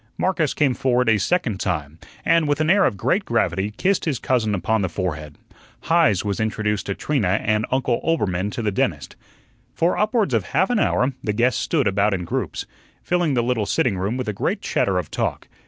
Marcus came forward a second time, and, with an air of great gravity, kissed his cousin upon the forehead. Heise was introduced to Trina and Uncle Oelbermann to the dentist. For upwards of half an hour the guests stood about in groups, filling the little sitting room with a great chatter of talk.